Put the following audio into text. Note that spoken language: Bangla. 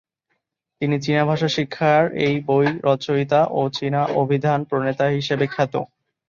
তিনি চীনা ভাষা শিক্ষার বই রচয়িতা ও চীনা অভিধান প্রণেতা হিসেবে খ্যাত।